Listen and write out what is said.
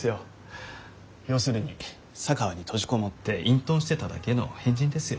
要するに佐川に閉じこもって隠とんしてただけの変人ですよ。